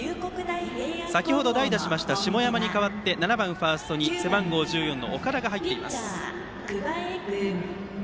先程、代打しました下山に代わり７番ファーストで背番号１４の岡田が入っています。